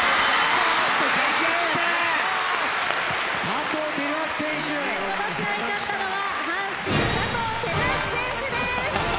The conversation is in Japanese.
この試合勝ったのは阪神・佐藤輝明選手です。